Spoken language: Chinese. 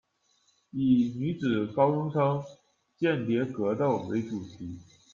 以「女子高中生×间谍格斗」为主题。